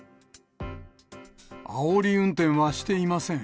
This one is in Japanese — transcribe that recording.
あおり運転はしていません。